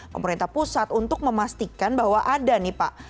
pemerintah pusat untuk memastikan bahwa ada nih pak